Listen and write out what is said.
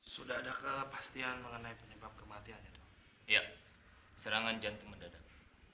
sudah ada kepastian mengenai penyebab kematiannya dok serangan jantung mendadak